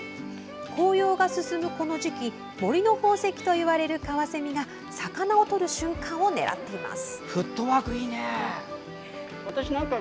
紅葉が進む、この時期森の宝石といわれるカワセミが魚を取る瞬間を狙っています。